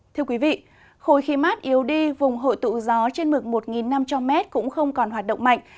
thưa quý vị hồi khi mát yếu đi vùng hội tụ gió trên mực một năm trăm linh m cũng không còn hoạt động mạnh